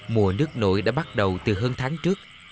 mùa nước nổi đã bắt đầu từ hơn tháng trước